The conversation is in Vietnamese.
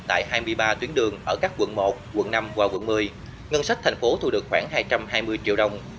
tại hai mươi ba tuyến đường ở các quận một quận năm và quận một mươi ngân sách thành phố thu được khoảng hai trăm hai mươi triệu đồng